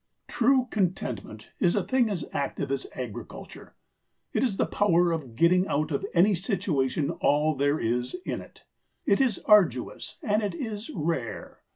True contentment is a thing as active as agriculture. It is the power of getting out of any situation all that there is in it. It is arduous and it is rare.